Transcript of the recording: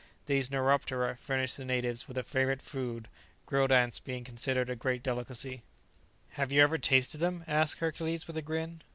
These Neuroptera furnish the natives with a favourite food, grilled ants being considered a great delicacy." "Have you ever tasted them?" asked Hercules, with a grin.